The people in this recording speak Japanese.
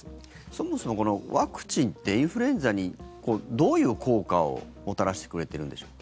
そもそも、ワクチンってインフルエンザにどういう効果をもたらしてくれてるんでしょう。